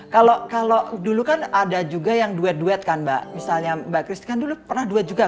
kalau dulu kan ada juga yang duet duet kan mbak misalnya mbak christi kan dulu pernah duet juga